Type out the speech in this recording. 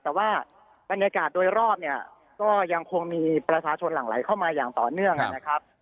แต่ว่าบรรยากาศโดยรอบเนี่ยก็ยังคงมีประชาชนหลั่งไหลเข้ามาอย่างต่อเนื่องนะครับ